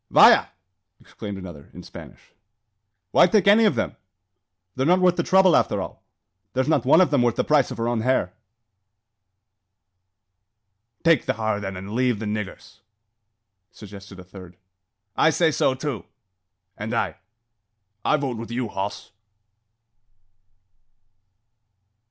"Vaya!" exclaimed another, in Spanish; "why take any of them? They're not worth the trouble, after all. There's not one of them worth the price of her own hair." "Take the har then, and leave the niggurs!" suggested a third. "I say so too." "And I." "I vote with you, hoss."